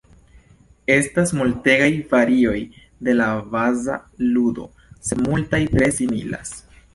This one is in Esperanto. Estas multegaj varioj de la baza ludo, sed multaj tre similas.